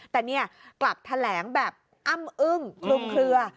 แต่เนี่ยกลับแถลงแบบอ้ำอึ้งคลุมเคลือ